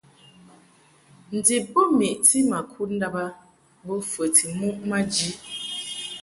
Ndib bo meʼti ma kud ndàb a bo fəti muʼ maji.